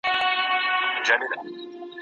چي اسمان راځي تر مځکي پر دنیا قیامت به وینه.